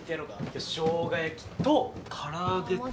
今日しょうが焼きと空揚げと。